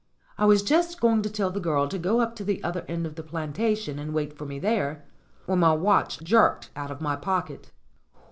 I was just going to tell the girl to go up to the other end of the plantation and wait for me there, when my watch jerked out of my pocket.